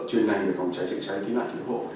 chuyên ngành phòng cháy chạy cháy kỹ năng kỹ hộ